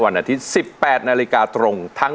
เกิดเสียแฟนไปช่วยไม่ได้นะ